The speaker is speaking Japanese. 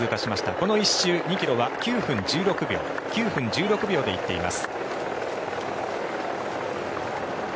この１周２ｋｍは９分１６秒で行っています。